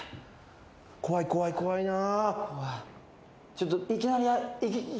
怖い怖い怖いな。